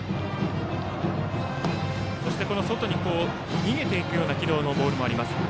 そして外に逃げていく軌道のボールもあります。